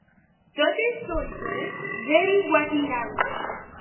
Dydy'r llwybr ddim wedi newid.